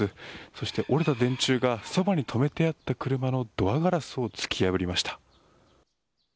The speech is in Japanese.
そして、折れた電柱がそばに止めてあった車のドアガラスを突き破りました。